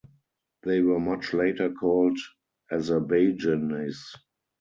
They were much later called Azerbaijanis.